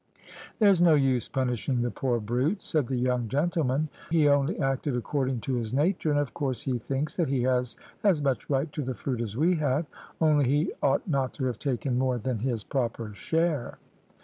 "`There's no use punishing the poor brute,' said the young gentleman; `he only acted according to his nature, and of course he thinks that he has as much right to the fruit as we have, only he ought not to have taken more than his proper share.'